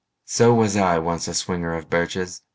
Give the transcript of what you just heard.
So was I once myself a swinger of birches.